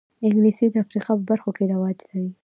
انګلیسي د افریقا په برخو کې رواج لري